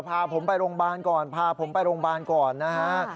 พาผมไปโรงพยาบาลก่อนพาผมไปโรงพยาบาลก่อนนะฮะ